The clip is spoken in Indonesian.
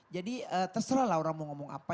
jadi terserah lah orang mau ngomong apa